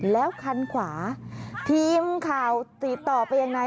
แล้วคันขวาทีมข่าวติดต่อไปยังไง